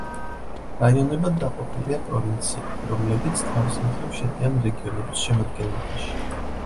რაიონებად დაყოფილია პროვინციები, რომლებიც თავის მხრივ შედიან რეგიონების შემადგენლობაში.